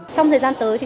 trong thời gian tới